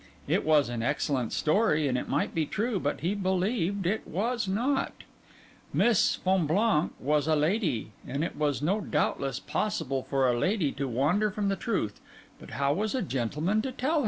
It was an excellent story; and it might be true, but he believed it was not. Miss Fonblanque was a lady, and it was doubtless possible for a lady to wander from the truth; but how was a gentleman to tell her so?